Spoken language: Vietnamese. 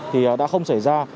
thì đã không xảy ra